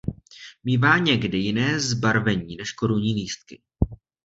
Mívá někdy jiné zbarvení než korunní lístky.